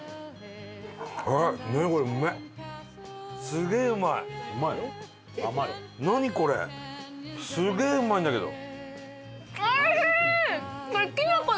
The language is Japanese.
すげえうまいんだけど。